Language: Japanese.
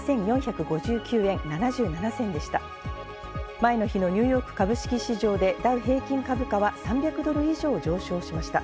前の日のニューヨーク株式市場でダウ平均株価は３００ドル以上、上昇しました。